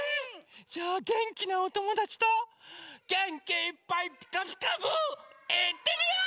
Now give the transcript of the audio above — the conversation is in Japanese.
じゃあげんきなおともだちとげんきいっぱい「ピカピカブ！」いってみよう！